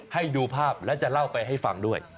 ให้ดูภาพและจะเล่าไปให้ฟังด้วย